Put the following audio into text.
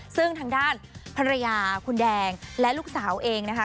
ซึ่งทางด้านภรรยาคุณแดงและลูกสาวเองนะคะ